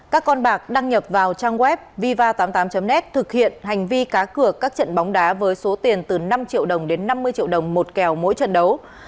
các con bạc đăng nhập vào trang web viva tám mươi tám net thực hiện hành vi cá cược các trận bóng đá với số tiền từ năm triệu đồng đến năm mươi triệu đồng một kèo mỗi trận đấu